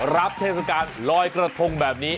เทศกาลลอยกระทงแบบนี้